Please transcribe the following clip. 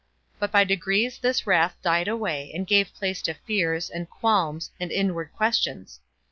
But by degrees this wrath died away, and gave place to fears, and qualms, and inward questions.